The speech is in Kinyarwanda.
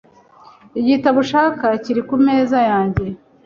Igitabo ushaka kiri kumeza yanjye .